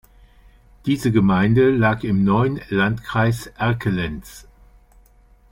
Diese Gemeinde lag im neuen Landkreis Erkelenz.